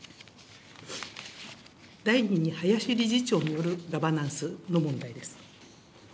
第２に林理事長によるガバナンスの問題です。